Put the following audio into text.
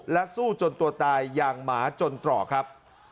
และสู้จนตัวตายอย่างหมาจนตรอกครับ